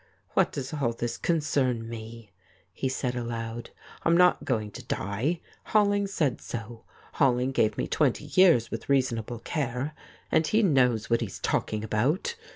' What does all this concern me ?' he said aloud. ' I'm not going to die. Holling said so. Holling gave me twenty years, with reasonable care, and he knows what he is talk ing about.'